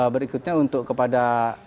berikutnya untuk kepada